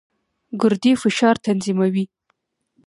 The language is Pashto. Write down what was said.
ګردې فشار تنظیموي.